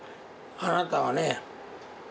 あなたはね